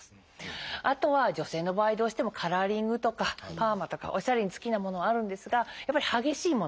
あとは女性の場合どうしてもカラーリングとかパーマとかおしゃれに好きなものはあるんですがやっぱり激しいもの